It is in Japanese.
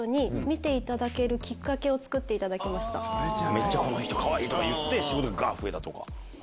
「めっちゃこの人かわいい！」とか言って仕事が増えたとか。